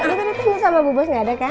gak ada gitu gitu sama bu bos gak ada kan